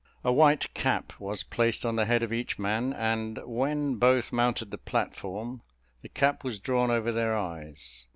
A white cap was placed on the head of each man, and when both mounted the platform, the cap was drawn over their eyes.